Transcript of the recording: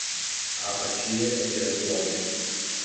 A apatia é pior que o ódio